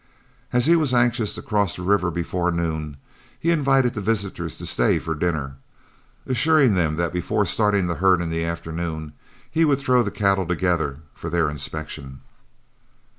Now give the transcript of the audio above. As he was anxious to cross the river before noon, he invited the visitors to stay for dinner, assuring them that before starting the herd in the afternoon, he would throw the cattle together for their inspection.